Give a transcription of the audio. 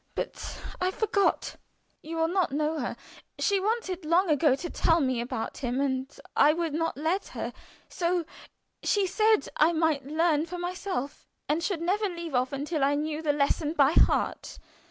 But I forgot. You will not know her. She wanted long ago to tell me about him, and I would not let her, so she said I might learn for myself, and should never leave off until I knew the lesson by heart.